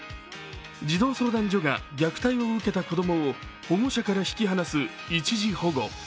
児童相談所が虐待を受けた子供を保護者から引き離す一時保護。